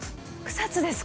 草津ですか？